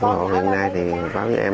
hôm nay thì báo với em